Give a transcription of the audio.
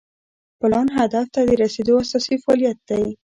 پلان هدف ته د رسیدو اساسي فعالیت دی.